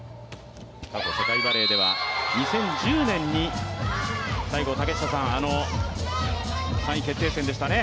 過去世界バレーでは２０１０年に、最後竹下さん、３位決定戦でしたね。